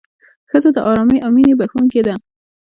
ښځه د ارامۍ او مینې بښونکې ده.